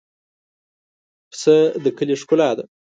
پسه د کلي ښکلا ده.